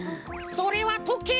それはとけい！